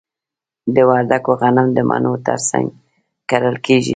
د وردګو غنم د مڼو ترڅنګ کرل کیږي.